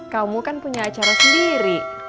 kamu kan punya acara sendiri